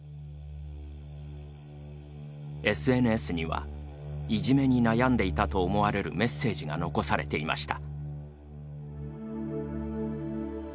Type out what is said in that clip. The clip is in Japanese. ＳＮＳにはいじめに悩んでいたと思われるメッセージが残されていました。